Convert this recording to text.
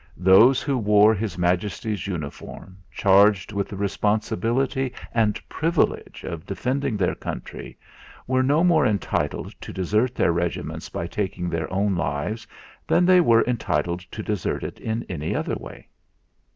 Those who wore His Majesty's uniform, charged with the responsibility and privilege of defending their country, were no more entitled to desert their regiments by taking their own lives than they were entitled to desert in any other way.